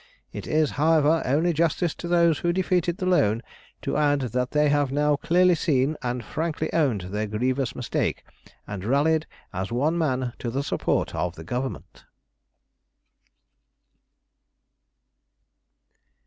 It is, however, only justice to those who defeated the loan to add that they have now clearly seen and frankly owned their grievous mistake, and rallied as one man to the support of the Government."